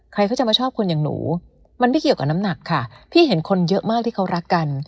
ใครเขาจะมาชอบคนอย่างหนูมันไม่เกี่ยวกับน้ำหนักค่ะพี่เห็นคนเยอะมากที่เขารักกัน